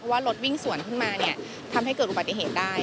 ว่ารถวิ่งสวนขึ้นมาเนี่ยทำให้เกิดอุบัติเหตุได้